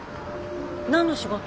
何の仕事？